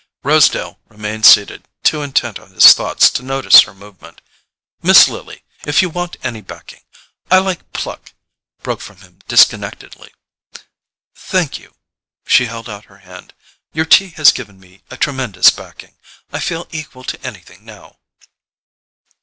Rosedale remained seated, too intent on his thoughts to notice her movement. "Miss Lily, if you want any backing—I like pluck——" broke from him disconnectedly. "Thank you." She held out her hand. "Your tea has given me a tremendous backing. I feel equal to anything now."